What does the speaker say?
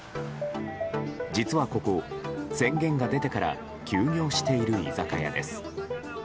実はここ、宣言が出てから休業している居酒屋です。